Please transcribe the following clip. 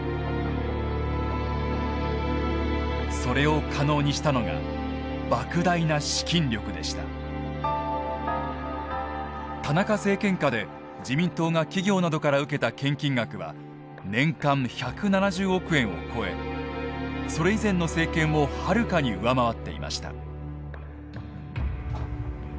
それを可能にしたのが田中政権下で自民党が企業などから受けた献金額は年間１７０億円を超えそれ以前の政権をはるかに上回っていました。